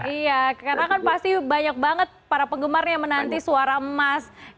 iya karena kan pasti banyak banget para penggemarnya menanti suara emas